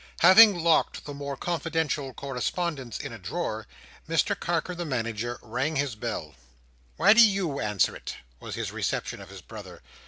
Having locked the more confidential correspondence in a drawer, Mr Carker the Manager rang his bell. "Why do you answer it?" was his reception of his brother.